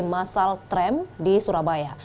masal tram di surabaya